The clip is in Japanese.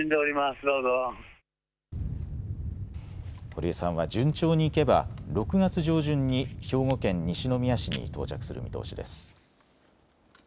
堀江さんは順調にいけば６月上旬に兵庫県西宮市に到着する見通しです。